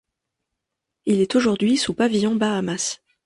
Il est aujourd'hui sous pavillon Bahamas.